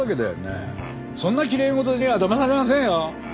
そんなきれい事にはだまされませんよ！